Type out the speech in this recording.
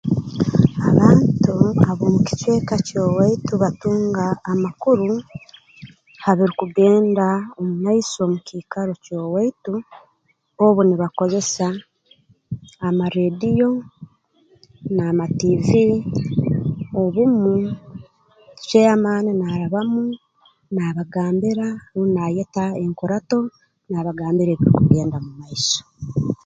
Abantu ab'omu kicweka ky'owaitu batunga amakuru ha birukugenda omu maiso mu kiikaro ky'owaitu obu nibakozesa amarreediyo n'amatiivi obumu chairman naarabamu naabagambira rundi naayeta enkurato naabagambira ekirukugenda mu maiso